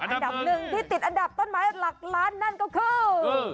อันดับหนึ่งที่ติดอันดับต้นไม้หลักล้านนั่นก็คือ